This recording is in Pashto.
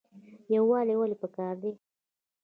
یووالی ولې پکار دی؟